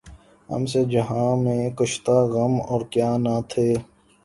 ہم سے جہاں میں کشتۂ غم اور کیا نہ تھے